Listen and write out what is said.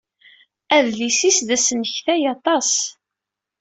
Adlis-is d asneknay aṭas.